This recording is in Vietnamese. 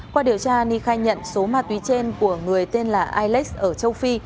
qua điều tra ni khai nhận số ma túy trên của người tên là irelax ở châu phi